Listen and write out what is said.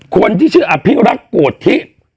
คนที่ชื่ออภิรักษ์โกธิ